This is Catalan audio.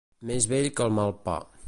Més vell que el mal pa.